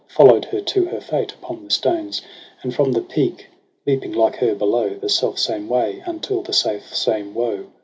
Followed her to her fate upon the stones ; And from the peak leaping like her below The self same way unto the self same woe.